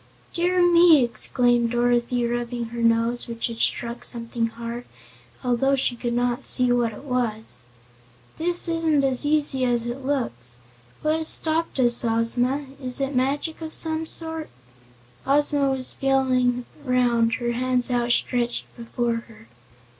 "Dear me!" exclaimed Dorothy, rubbing her nose, which had struck something hard, although she could not see what it was; "this isn't as easy as it looks. What has stopped us, Ozma? Is it magic of some sort?" Ozma was feeling around, her bands outstretched before her.